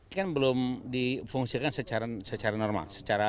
kan belum difungsikan secara normal